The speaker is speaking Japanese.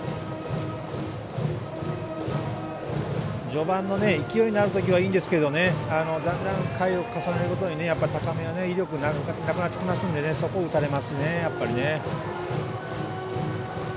序盤の勢いがあるときはいいんですけどだんだん、回を重ねることに高めの威力なくなってきますのでそこを打たれますね、やっぱり。